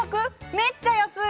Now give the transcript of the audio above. めっちゃ安い！